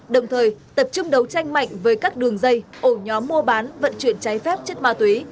đồng thời tập trung đấu tranh mạnh với các đường dây ổ nhóm mua bán vận chuyển cháy phép chất ma túy